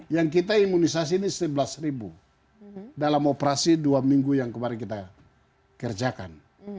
yang kita imunisasi ini sebelas ribu dalam operasi dua minggu yang kemarin kita kerjakan